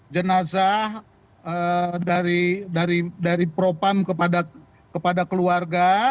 jenazah dari propam kepada keluarga